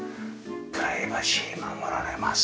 プライバシー守られます。